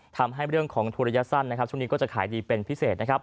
ทำให้เรื่องของทุนระยะสั้นช่วงนี้ก็จะขายดีเป็นพิเศษนะครับ